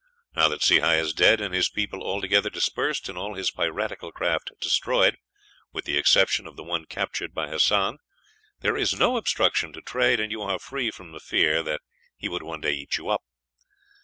Now that Sehi is dead and his people altogether dispersed and all his piratical craft destroyed, with the exception of the one captured by Hassan, there is no obstruction to trade, and you are free from the fear that he would one day eat you up.